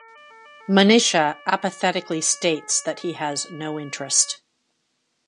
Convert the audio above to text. Manisha apathetically states that he has no interest.